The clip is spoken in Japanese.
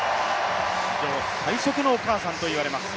史上最速のお母さんといわれます。